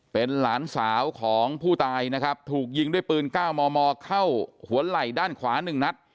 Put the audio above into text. เป็นหลานสาวของผู้ตายนะครับถูกยิงด้วยปืน๙มมเข้าหัวไหล่ด้านขวา๑นัด